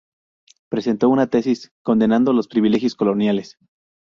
Presentó una tesis condenando los privilegios coloniales.